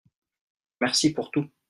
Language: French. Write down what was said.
Merci pour tout.